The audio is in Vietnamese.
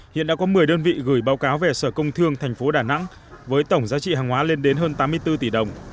hiện đã có một mươi đơn vị gửi báo cáo về sở công thương tp đà nẵng với tổng giá trị hàng hóa lên đến hơn tám mươi bốn tỷ đồng